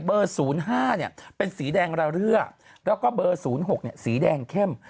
เบอร์๐๕เนี่ยเป็นสีแดงระเรือแล้วก็เบอร์๐๖สีแดงเข้ม